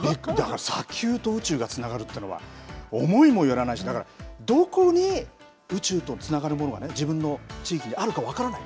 砂丘と宇宙がつながるというのは思いもよらないしだがらどこに宇宙とつながるものが自分の地域であるか分からない。